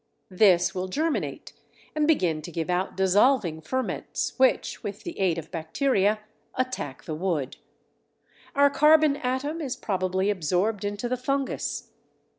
This will germinate and begin to give out dissolving ferments which, with the aid of bacteria, attack the wood. Our carbon atom is probably absorbed into the fungus.